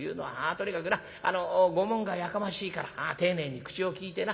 とにかくなご門がやかましいから丁寧に口を利いてな。